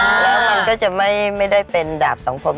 แล้วมันก็จะไม่ได้เป็นดาบสังคม